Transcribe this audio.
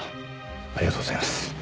ありがとうございます。